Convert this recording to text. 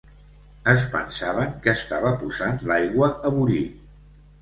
Es pensaven que estava posant l'aigua a bullir.